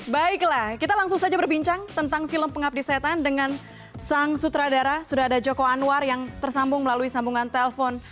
baiklah kita langsung saja berbincang tentang film pengabdi setan dengan sang sutradara sudah ada joko anwar yang tersambung melalui sambungan telpon